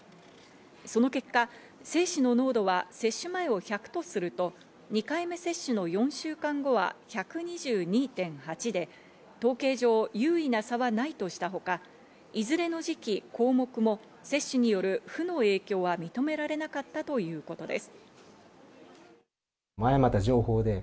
その結果、精子の濃度は接種前を１００とすると、２回目接種の４週間後は１２２．８で統計上、有意な差はないとしたほか、いずれの時期、項目も接種による負の影響は認められなかったということです。